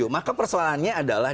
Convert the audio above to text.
maka persoalannya adalah